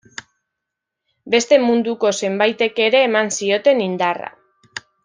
Beste Munduko zenbaitek ere eman zioten indarra.